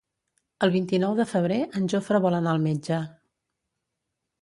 El vint-i-nou de febrer en Jofre vol anar al metge.